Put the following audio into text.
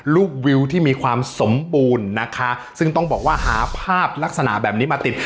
วิวที่มีความสมบูรณ์นะคะซึ่งต้องบอกว่าหาภาพลักษณะแบบนี้มาติด